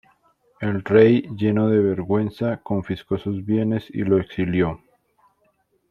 El rey, lleno de vergüenza, confiscó sus bienes y lo exilió.